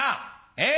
ええ？